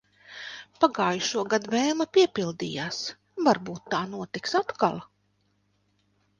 Pagājušogad vēlme piepildījās. Varbūt tā notiks atkal.